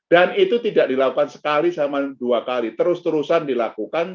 dan itu tidak dilakukan sekali sama dua kali terus terusan dilakukan